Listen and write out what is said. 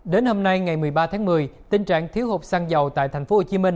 đến hôm nay ngày một mươi ba tháng một mươi tình trạng thiếu hụt xăng dầu tại tp hcm